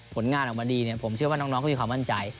ที่ออกมาผลงานออกมาดีเนี่ยผมเชื่อว่าน้องเขามีความมั่นใจ